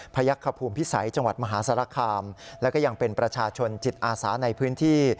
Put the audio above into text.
ยักษภูมิพิสัยจังหวัดมหาสารคามแล้วก็ยังเป็นประชาชนจิตอาสาในพื้นที่